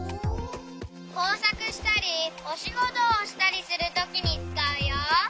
こうさくしたりおしごとをしたりするときにつかうよ。